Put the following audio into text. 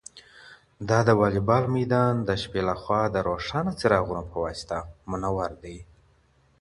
دا د واليبال میدان د شپې لخوا د روښانه څراغونو په واسطه منور دی.